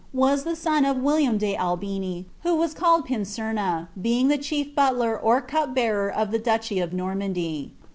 was lbs Boti of William de Albini, who was called Pincerna,' hsiug thr ebirf butler or cup bearer of the duchy of Normandy.